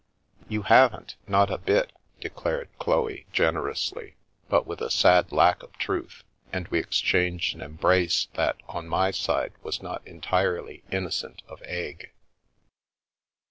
" You haven't, not a bit," declared Chloe, generously, but with a sad lack of truth, and we exchanged an em brace that on my side was not entirely innocent of egg.